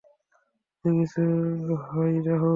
কিছু কিছু হয় রাহুল।